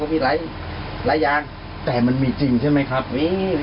เรียนมาด้านนั้นมันหลุดใดมันหลุดก็ไม่รู้